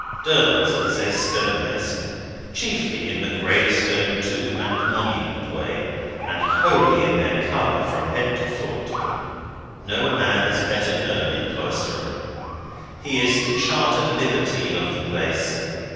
Durdles is a stonemason; chiefly in the gravestone, tomb, and monument way, and wholly of their colour from head to foot. No man is better known in Cloisterham. He is the chartered libertine of the place.